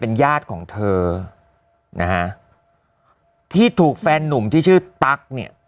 ญาติของเธอนะฮะที่ถูกแฟนนุ่มที่ชื่อตั๊กเนี่ย